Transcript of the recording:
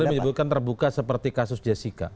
pak pauli menyebutkan terbuka seperti kasus jessica